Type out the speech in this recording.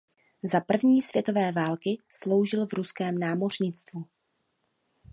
Za první světové války sloužil v ruském námořnictvu.